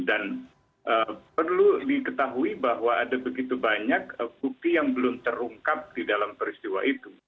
dan perlu diketahui bahwa ada begitu banyak bukti yang belum terungkap di dalam peristiwa itu